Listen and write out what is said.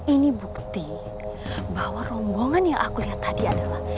ini bukti bahwa rombongan yang aku lihat tadi adalah